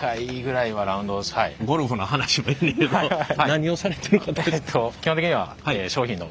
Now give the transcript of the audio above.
ゴルフの話もええねんけど何をされてる方ですか？